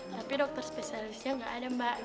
tapi dokter spesialisnya nggak ada mbak